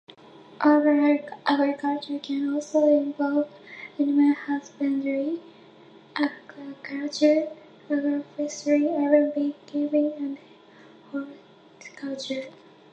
Urban agriculture can also involve animal husbandry, aquaculture, agroforestry, urban beekeeping, and horticulture.